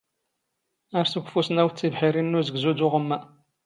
ⴰⵔ ⵙⵓⴽⴼⵓⵙⵏ ⴰⵡⴷ ⵜⵉⴱⵃⵉⵔⵉⵏ ⵏ ⵓⵣⴳⵣⵓ ⴷ ⵓⵖⵎⵎⴰ.